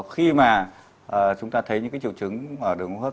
khi mà chúng ta thấy những cái triệu chứng ở đường hô hấp